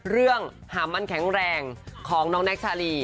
มหามันแข็งแรงของน้องแน็กชาลี